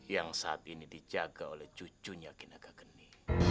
yang saat ini dijaga oleh cucunya kinagak genni